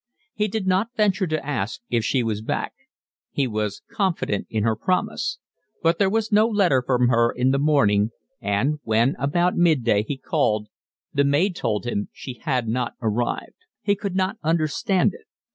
He did not venture to ask if she was back. He was confident in her promise. But there was no letter from her in the morning, and, when about mid day he called, the maid told him she had not arrived. He could not understand it.